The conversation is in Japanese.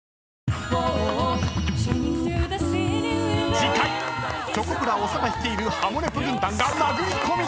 ［次回チョコプラ長田率いるハモネプ軍団が殴り込み！］